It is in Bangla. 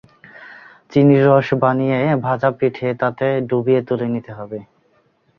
চিনির রস বানিয়ে ভাজা পিঠে তাতে ডুবিয়ে তুলে নিতে হবে।